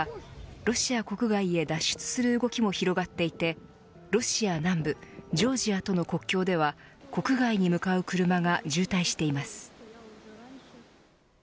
ロシア国外へ脱出する動きも広がっていてロシア南部ジョージアとの国境では国外に向かう車が渋滞しています。